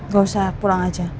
gak usah pulang aja